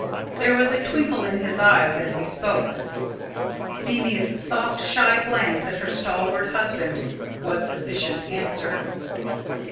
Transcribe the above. There was a twinkle in his eye as he spoke. Mimi's soft shy glance at her stalwart husband, was sufficient answer.